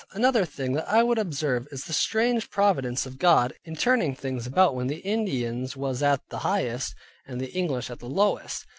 Another thing that I would observe is the strange providence of God, in turning things about when the Indians was at the highest, and the English at the lowest.